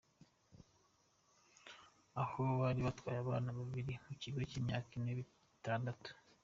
Aho bari batwaye abana bari mu kigero cy’imyaka ine n’itandatu.